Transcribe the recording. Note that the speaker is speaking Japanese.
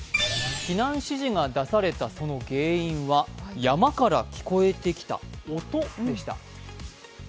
避難指示が出されたその原因は山から聞こえてきた音でした。